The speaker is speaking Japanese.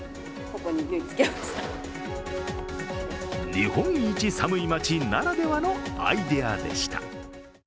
日本一寒い町ならではのアイデアでした。